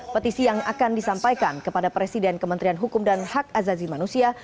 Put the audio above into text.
petisi yang akan disampaikan kepada presiden kementerian hukum dan hak azazi manusia